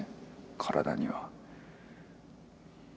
体には。